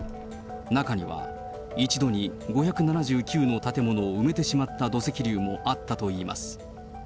中には、一度に５７９の建物を埋めてしまった土石流もあったといいます。